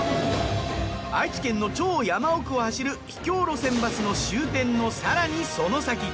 愛知県の超山奥を走る秘境路線バスの終点の更にその先。